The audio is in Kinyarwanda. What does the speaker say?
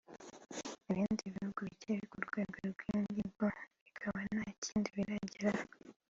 ibindi bihugu bikiri ku rwego rw’inyigo bikaba nta kindi birageraho